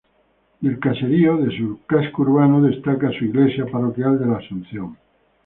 Del caserío de su casco urbano destaca su iglesia parroquial de la Asunción.